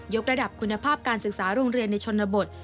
กระดับคุณภาพการศึกษาโรงเรียนในชนบท